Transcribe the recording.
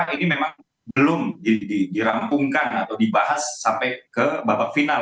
ini memang belum dirampungkan atau dibahas sampai ke babak final